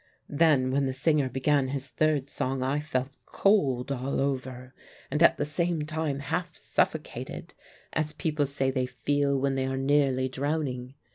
Then when the singer began his third song I felt cold all over, and at the same time half suffocated, as people say they feel when they are nearly drowning.